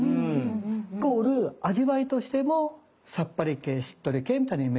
イコール味わいとしてもさっぱり系しっとり系みたいなイメージになっている。